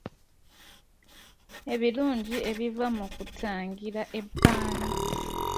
Ebirungi ebiva mu kutangira ebbanyi